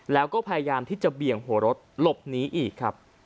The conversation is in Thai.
แล้วก็พยายามที่จะเบี่ยงหัวรถหลบหนีอีกครับ